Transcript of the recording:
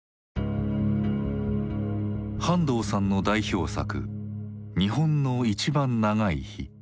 半藤さんの代表作「日本のいちばん長い日」。